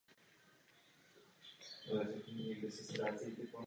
Rozprostírá se v centrální části regionu Vojvodina severně od města Novi Sad.